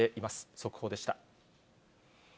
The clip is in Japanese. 速報でした。